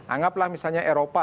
anggaplah misalnya eropa